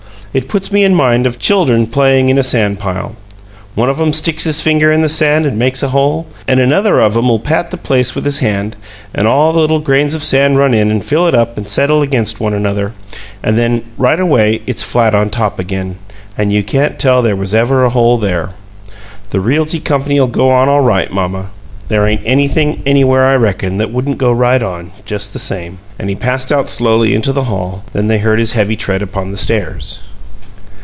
It puts me in mind of chuldern playin' in a sand pile. One of 'em sticks his finger in the sand and makes a hole, and another of 'em'll pat the place with his hand, and all the little grains of sand run in and fill it up and settle against one another; and then, right away it's flat on top again, and you can't tell there ever was a hole there. The Realty Company'll go on all right, mamma. There ain't anything anywhere, I reckon, that wouldn't go right on just the same." And he passed out slowly into the hall; then they heard his heavy tread upon the stairs.